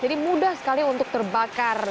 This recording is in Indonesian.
jadi mudah sekali untuk terbakar